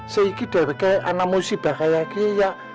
sehingga di awal anak musibah kayaknya